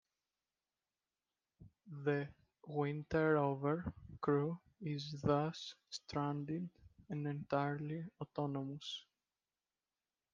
The "winterover" crew is thus stranded and entirely autonomous.